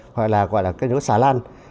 hoặc là gọi là các nhóm xà lan